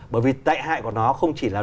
bởi vì tại hại của nó không chỉ là